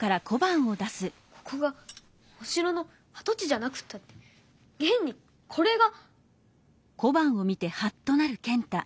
ここがお城のあと地じゃなくったってげんにこれが。